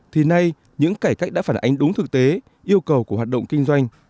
thì nay những cải cách đã phản ánh đúng thực tế yêu cầu của hoạt động kinh doanh